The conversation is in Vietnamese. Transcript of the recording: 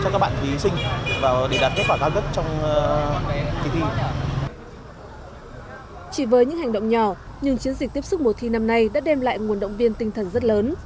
chỉ với những hành động nhỏ nhưng chiến dịch tiếp xúc mùa thi năm nay đã đem lại nguồn động viên tinh thần rất lớn